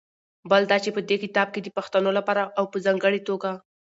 بل دا چې په دې کتاب کې د پښتنو لپاره او په ځانګړې توګه